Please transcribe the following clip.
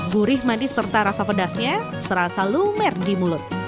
gurih manis serta rasa pedasnya serasa lumer di mulut